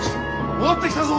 戻ってきたぞ。